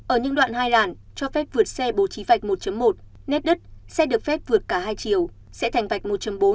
ở những đoạn hai làn cho phép vượt xe bổ trí vạch một một nét đất xe được phép vượt cả hai chiều sẽ thành vạch một bốn